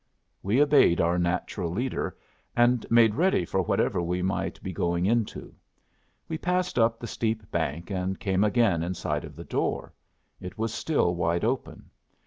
We obeyed our natural leader, and made ready for whatever we might be going into. We passed up the steep bank and came again in sight of the door. It was still wide open.